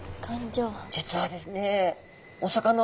実はですね